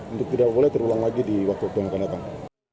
untuk tidak boleh terulang lagi di waktu waktu yang akan datang